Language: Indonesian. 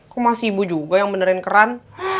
kok masih ibu juga yang benerin keren